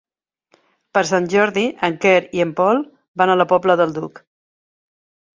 Per Sant Jordi en Quer i en Pol van a la Pobla del Duc.